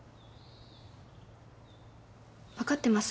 分かってます